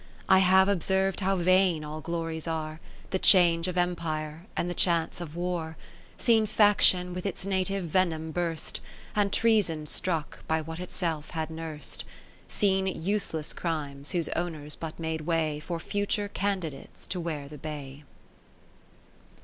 I have observ'd how vain all glories are, 'I'he change of Empire, and the chance of War : Seen Faction with its native venom burst. And Treason struck, by what itself had nurs'd : 10 Seen useless crimes, whose owners but made way For future candidates to wear the bay.